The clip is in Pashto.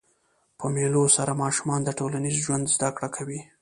په مېلو سره ماشومان د ټولنیز چلند زده کړه کوي.